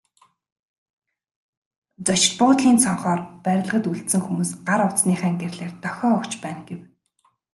Зочид буудлын цонхоор барилгад үлдсэн хүмүүс гар утасныхаа гэрлээр дохио өгч байна гэв.